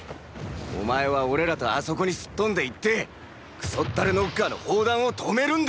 お前は俺らとあそこにすっ飛んでいってクソッタレノッカーの砲弾を止めるんだ！！